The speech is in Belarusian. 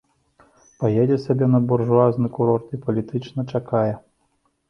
Паедзе сабе на буржуазны курорт і палітычна чакае.